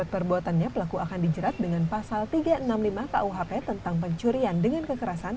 perbuatannya pelaku akan dijerat dengan pasal tiga ratus enam puluh lima kuhp tentang pencurian dengan kekerasan